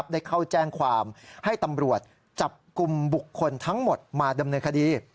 ได้เข้าแจ้งความให้ตำรวจจับกลุ่มบุคคลทั้งหมดมาดำเนินคดี